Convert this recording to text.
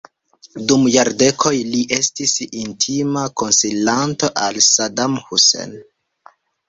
Dum jardekoj li estis intima konsilanto al Saddam Hussein.